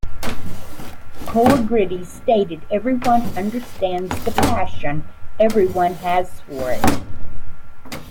Kalogridis stated Everyone understands the passion everyone has for it.